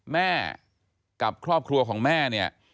แม่กับครอบครัวของแม่เนี่ย